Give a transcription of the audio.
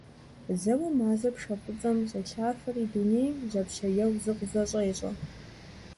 Зэуэ мазэр пшэ фӀыцӀэм щӀелъафэри, дунейм жьапщаеу зыкъызэщӀещӀэ.